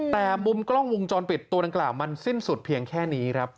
แต่มุมกล้องวงจรปิดตัวดังกล่าวมันสิ้นสุดเพียงแค่นี้ครับ